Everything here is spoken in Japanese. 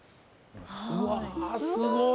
うわすごい。